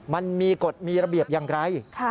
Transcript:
มันมีกฎมีระเบียบอย่างไร